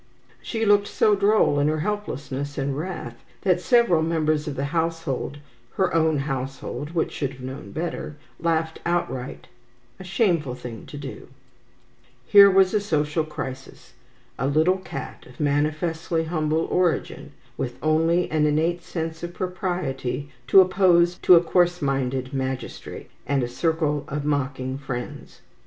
She looked so droll in her helplessness and wrath that several members of the household (her own household, which should have known better) laughed outright, a shameful thing to do. Here was a social crisis. A little cat of manifestly humble origin, with only an innate sense of propriety to oppose to a coarse minded magistrate, and a circle of mocking friends.